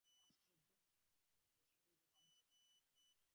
আশ্চর্য এই, শরীরও ভাঙছে না।